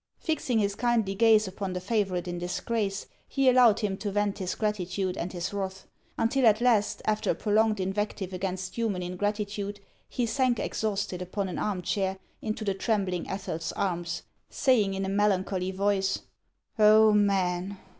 Fixing his kindly gaze upon the favorite in disgrace, he allowed him to vent his gratitude and his wrath ; until at last, after a prolonged invective against human ingratitude, he sank exhausted upon an arm chair, into the trembling Ethel s arms, saying in a melancholy voice :" Oh, men